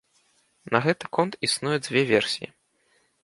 На гэты конт існуе дзве версіі.